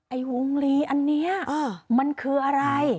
ไอ้วงลีอันนี้มันคืออะไร